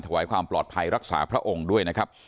ถวายความปลอดภัยรักษาพระองค์ด้วยนะครับ